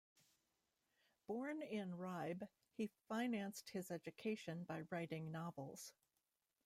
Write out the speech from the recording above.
Born in Ribe, he financed his education by writing novels.